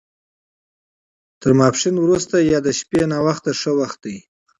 تر ماسپښین وروسته یا د شپې ناوخته ښه وخت دی.